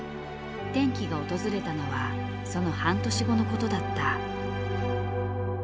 転機が訪れたのはその半年後の事だった。